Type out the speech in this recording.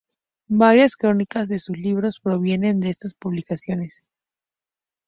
Varias crónicas de sus libros provienen de estas publicaciones.